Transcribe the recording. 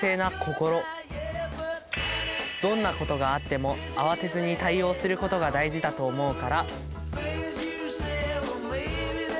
どんなことがあっても慌てずに対応することが大事だと思うから。